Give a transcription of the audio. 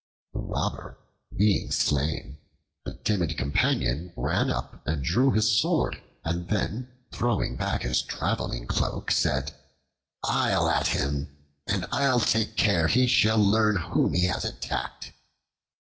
The Robber being slain, the timid companion ran up and drew his sword, and then, throwing back his traveling cloak said, "I'll at him, and I'll take care he shall learn whom he has attacked."